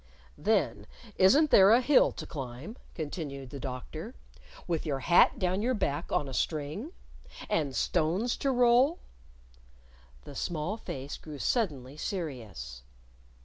"Then isn't there a hill to climb?" continued the Doctor, "with your hat down your back on a string? And stones to roll ?" The small face grew suddenly serious.